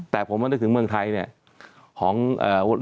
แต่ผมมานึกถึงเมืองไทยเนี่ย